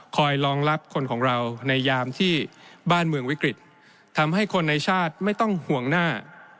รองรับคนของเราในยามที่บ้านเมืองวิกฤตทำให้คนในชาติไม่ต้องห่วงหน้า